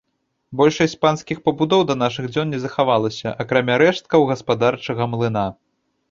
Большасць панскіх пабудоў да нашых дзён не захавалася, акрамя рэшткаў гаспадарчага млына.